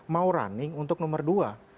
mau running untuk nomor dua